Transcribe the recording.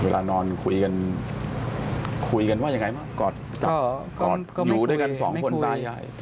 เวลานอนคุยกันคุยกันว่ายังไงบ้างกอดจับกอดอยู่ด้วยกันสองคนตาย